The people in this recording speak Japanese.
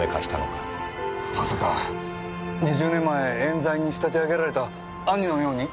まさか２０年前冤罪に仕立て上げられた兄のように？